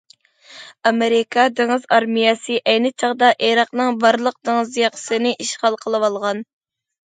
ئامېرىكا دېڭىز ئارمىيەسى ئەينى چاغدا ئىراقنىڭ بارلىق دېڭىز ياقىسىنى ئىشغال قىلىۋالغان.